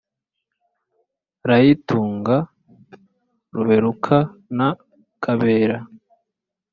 irayitunga ruberuka na kabera.